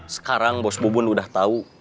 sekarang bos bubun udah tahu